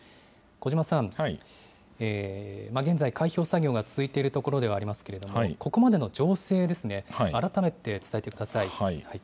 小嶋さん、現在、開票作業が続いているところではありますけれども、ここまでの情勢ですね、改めて伝えてください。